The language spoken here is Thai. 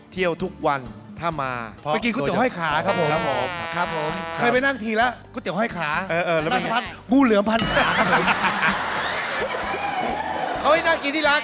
เที่ยวทุกวันถ้ามา